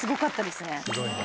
すごいね。